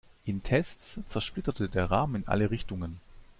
In Tests zersplitterte der Rahmen in alle Richtungen.